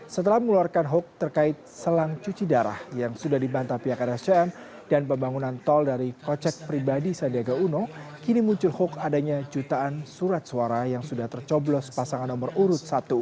setelah mengeluarkan hoax terkait selang cuci darah yang sudah dibantah pihak rscm dan pembangunan tol dari kocek pribadi sandiaga uno kini muncul hoax adanya jutaan surat suara yang sudah tercoblos pasangan nomor urut satu